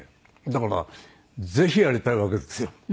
だからぜひやりたいわけですよ。